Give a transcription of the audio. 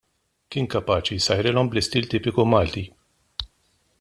Kien kapaċi jsajjarhom bl-istil tipiku Malti.